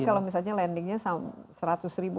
kalau misalnya lendingnya seratus ribu